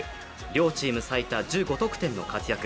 両チーム最多１５得点の活躍。